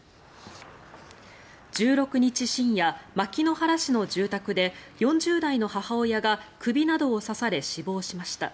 １６日深夜、牧之原市の住宅で４０代の母親が首などを刺され死亡しました。